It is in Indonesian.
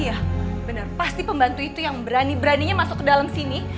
iya benar pasti pembantu itu yang berani beraninya masuk ke dalam sini